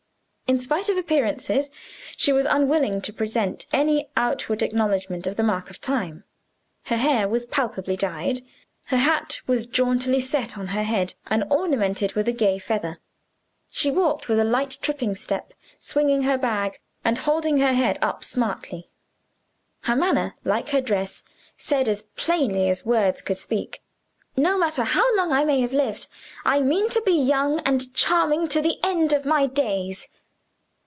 In spite of appearances, she was unwilling to present any outward acknowledgment of the march of time. Her hair was palpably dyed her hat was jauntily set on her head, and ornamented with a gay feather. She walked with a light tripping step, swinging her bag, and holding her head up smartly. Her manner, like her dress, said as plainly as words could speak, "No matter how long I may have lived, I mean to be young and charming to the end of my days."